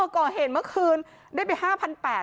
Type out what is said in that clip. ก่อเหตุเมื่อคืนได้ไป๕๘๐๐บาท